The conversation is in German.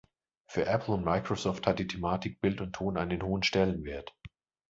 Für Apple und Microsoft hat die Thematik Bild und Ton einen hohen Stellenwert.